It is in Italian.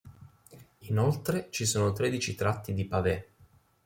Inoltre, ci sono tredici tratti di pavé.